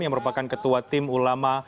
yang merupakan ketua tim ulama